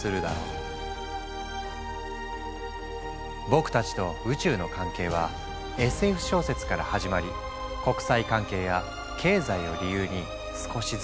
僕たちと宇宙の関係はＳＦ小説から始まり国際関係や経済を理由に少しずつ近づいてきた。